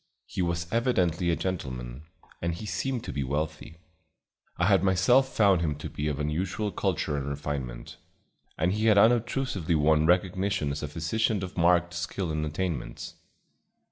He was evidently a gentleman, and he seemed to be wealthy. I had myself found him to be of unusual culture and refinement, and he had unobtrusively won recognition as a physician of marked skill and attainments.